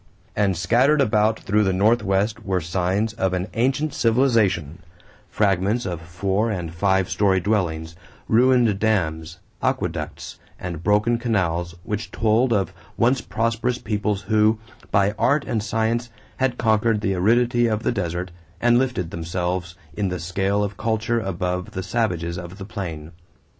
And scattered about through the Southwest were signs of an ancient civilization fragments of four and five story dwellings, ruined dams, aqueducts, and broken canals, which told of once prosperous peoples who, by art and science, had conquered the aridity of the desert and lifted themselves in the scale of culture above the savages of the plain.